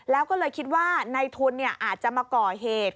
แล้วก็เลยคิดว่าในทุนอาจจะมาก่อเหตุ